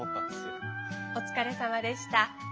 お疲れさまでした。